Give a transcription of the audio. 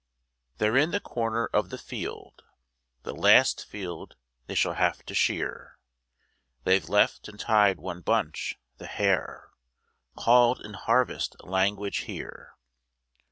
END OF in the corner of the field, * The last field they shall have to shear, They've left and tied one bunch, * the hare/ Called in harvest language here.